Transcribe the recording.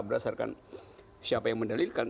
berdasarkan siapa yang mendalilkan